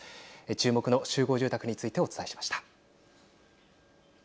注目の集合住宅についてお伝えしました。